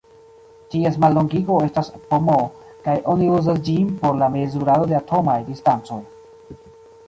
Ties mallongigo estas pm kaj oni uzas ĝin por la mezurado de atomaj distancoj.